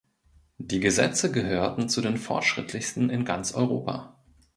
Die Gesetze gehörten zu den fortschrittlichsten in ganz Europa.